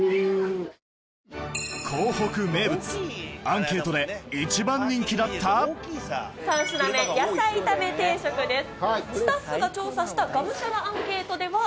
アンケートで一番人気だったスタッフが調査した「がむしゃら」。